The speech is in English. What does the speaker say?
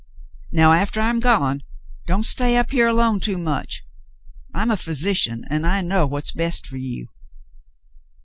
Now, after I'm gone, don't stay up here alone too much. I'm a physician, and I know what's best for you."